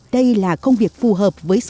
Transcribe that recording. đây là công việc phù hợp với sức khỏe